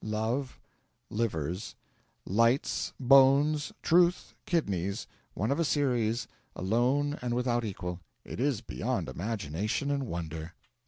'Love, Livers, Lights, Bones, Truth, Kidneys, one of a series, alone and without equal it is beyond imagination and wonder!'